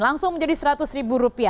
langsung menjadi rp seratus